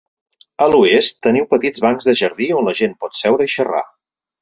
A l'oest teniu petits bancs de jardí on la gent pot seure i xerrar.